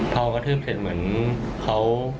พอกระทืบเสร็จเหมือนเขา